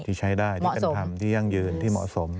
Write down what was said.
ที่ใช้ได้ที่เป็นธรรมที่ยั่งยืนที่เหมาะสม